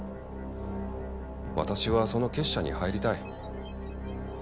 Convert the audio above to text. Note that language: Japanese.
私はその結社に入りたい。